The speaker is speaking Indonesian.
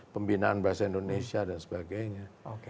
pembinaan bahasa indonesia dan sebagainya